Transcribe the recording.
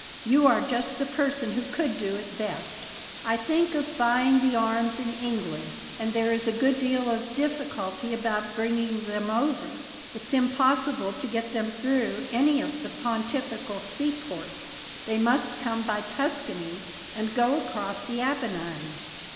"You are just the person who could do it best. I think of buying the arms in England, and there is a good deal of difficulty about bringing them over. It's impossible to get them through any of the Pontifical sea ports; they must come by Tuscany, and go across the Apennines."